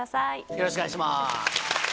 よろしくお願いします。